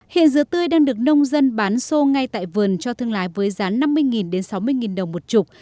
hiện dừa tươi đang được nông dân bán sô ngay tại vườn cho thương lái với giá năm mươi sáu mươi đồng một chục